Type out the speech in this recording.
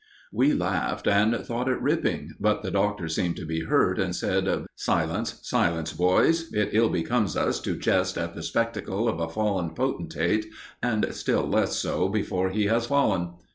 We laughed and thought it ripping; but the Doctor seemed to be hurt, and said: "Silence, silence, boys! It ill becomes us to jest at the spectacle of a fallen potentate, and still less so before he has fallen.